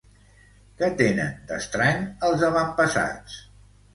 Què tenen, d'estrany, els avantpassats?